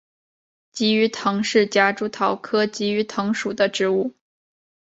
鲫鱼藤是夹竹桃科鲫鱼藤属的植物。